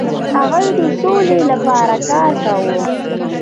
هغوی د سولې لپاره کار کاوه.